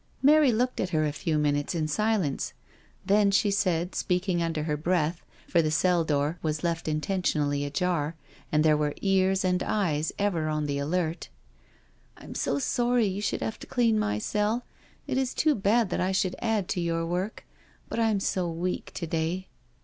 Mary looked at her a few minutes in silence^ then she said, speaking under her breath, for the cell door was left intentionally ajar, and there were ears and eyes ever on the alert: " I'm so sorry you should have to clean my cell — it is too bad that I should add to your work. But I'm! so weak to day."